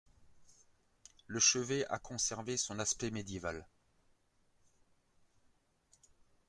Le chevet a conservé son aspect médiéval.